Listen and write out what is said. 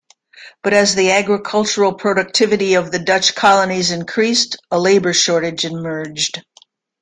But as the agricultural productivity of the Dutch colonies increased, a labor shortage emerged.